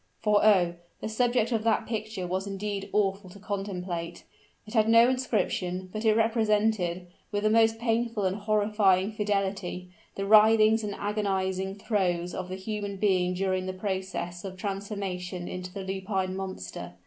For, oh! the subject of that picture was indeed awful to contemplate! It had no inscription, but it represented, with the most painful and horrifying fidelity, the writhings and agonizing throes of the human being during the progress of transformation into the lupine monster.